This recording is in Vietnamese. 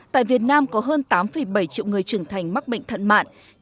tại việt nam có hơn tám bảy triệu người trưởng thành mắc bệnh thận mạng